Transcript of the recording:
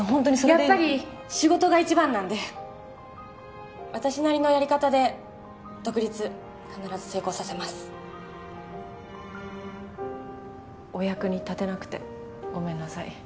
やっぱり仕事が一番なんで私なりのやり方で独立必ず成功させますお役に立てなくてごめんなさ